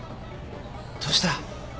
どうした。